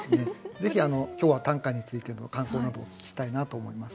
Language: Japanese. ぜひ今日は短歌についての感想などをお聞きしたいなと思います。